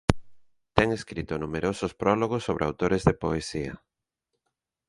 Ten escrito numerosos prólogos sobre autores de poesía.